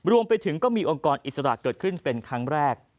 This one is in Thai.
รวมไปถึงก็มีองค์กรอิสระเกิดขึ้นเป็นครั้งแรก